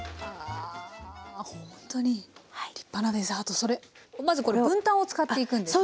それまずこれ文旦を使っていくんですね。